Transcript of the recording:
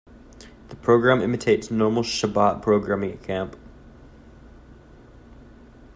The program imitates normal Shabbat programing at camp.